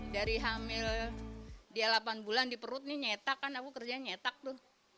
dari hamil dia delapan bulan di perut nih nyetak kan aku kerjanya nyetak tuh